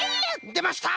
でました！